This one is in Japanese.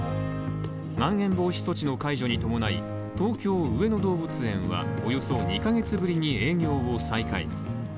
まん延防止措置の解除に伴い、東京・上野動物園はおよそ２カ月ぶりに営業を再開。